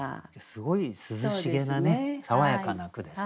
すごい涼しげなね爽やかな句ですね。